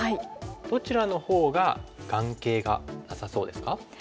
どちらのほうが眼形がなさそうですか？